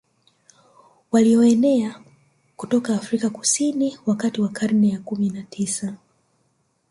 Walioenea kutoka Afrika Kusini wakati wa karne ya kumi na tisa